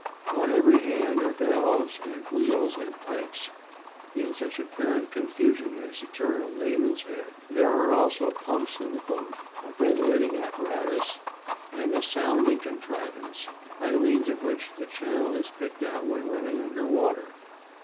On every hand are valves and wheels and pipes in such apparent confusion as to turn a layman's head. "There are also pumps in the boat, a ventilating apparatus, and a sounding contrivance, by means of which the channel is picked out when running under water.